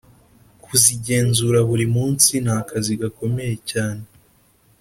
Kuzigenzura buri munsi ni akazi gakomeye cyane